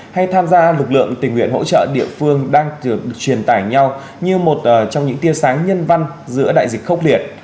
hay tham gia lực lượng tình nguyện hỗ trợ địa phương đang truyền tải nhau như một trong những tia sáng nhân văn giữa đại dịch khốc liệt